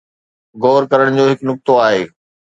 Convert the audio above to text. غور ڪرڻ جو هڪ نقطو آهي.